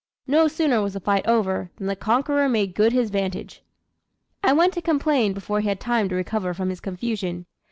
No sooner was the fight over, than the conqueror made good his vantage. "I went to complain before he had time to recover from his confusion.